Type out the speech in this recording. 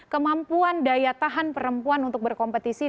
kemampuan daya tahan perempuan untuk berkompetisi